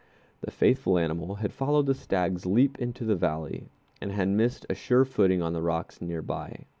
The faithful animal had followed the stag's leap into the valley, and had missed a sure footing on the rocks near by.